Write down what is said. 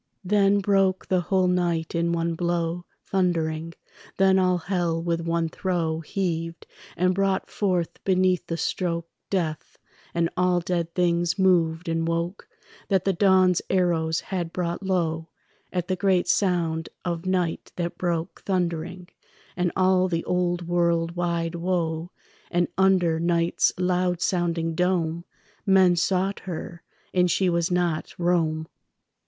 Then broke the whole night in one blow, Thundering; then all hell with one throe Heaved, and brought forth beneath the stroke Death; and all dead things moved and woke That the dawn's arrows had brought low, At the great sound of night that broke Thundering, and all the old world wide woe; And under night's loud sounding dome Men sought her, and she was not Rome.